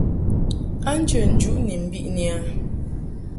A njə njuʼ ni mbiʼni a.